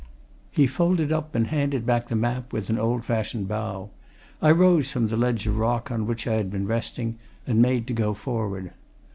He folded up and handed back the map, with an old fashioned bow. I rose from the ledge of rock on which I had been resting, and made to go forward.